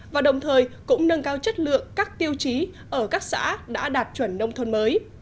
và đồng thời cũng nâng cao chất lượng các tiêu chí ở các xã đã đạt chuẩn nông thôn mới